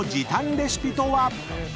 レシピとは？］